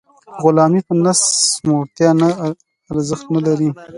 غلامي په نس موړتیا نه ارزښت نلري.